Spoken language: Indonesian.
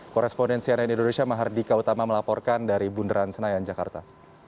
korespondensi ann indonesia mahardika utama melaporkan dari bundaran senayan jakarta